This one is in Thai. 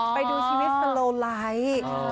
ไปดูชีวิตสโลไลท์